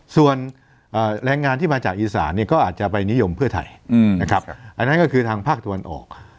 ส่วนแรงงานที่มาจากอีสานก็อาจจะไปนิยมเพื่อไทยนะครับอันนั้นก็คือทางภาคตะวันออก